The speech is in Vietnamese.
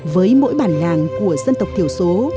với mỗi bản làng của dân tộc thiểu số